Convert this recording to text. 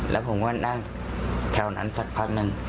แล้วผมก็นั่งแถวนั้นสักพักนึง